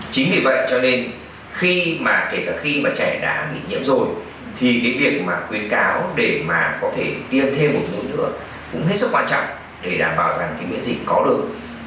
chính vì vậy cho nên khi mà kể cả khi mà trẻ đã bị nhiễm rồi thì cái việc mà khuyến cáo để mà có thể tiêm thêm một mũi nữa cũng hết sức quan trọng để đảm bảo rằng cái miễn dịch có được